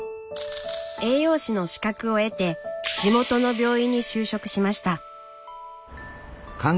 栄養士の資格を得て地元の病院に就職しました。